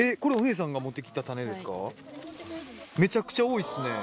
めちゃくちゃ多いっすね。